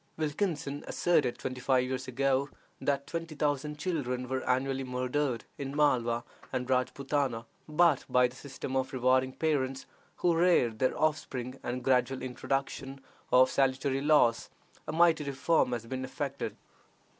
Wilkinson asserted twenty five years ago that twenty thousand children were annually murdered in Malwa and Rajpootana, but by the system of rewarding parents who reared their offspring, and the gradual introduction of salutary laws, a mighty reform has been effected.